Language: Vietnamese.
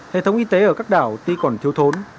hệ thống y tế ở các đảo tuy còn thiếu thốn